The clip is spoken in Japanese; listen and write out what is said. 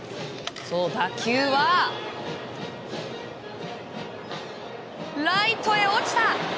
打球はライトへ落ちた！